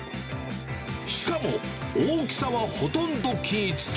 しかも、大きさはほとんど均一。